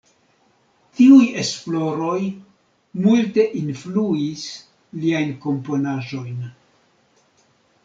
Tiuj esploroj multe influis liajn komponaĵojn.